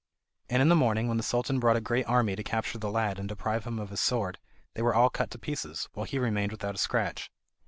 And in the morning, when the Sultan brought a great army to capture the lad and deprive him of his sword, they were all cut to pieces, while he remained without a scratch.